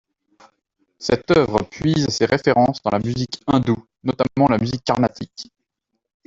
Cette œuvre puise ses références dans la musique hindoue, notamment la musique carnatique.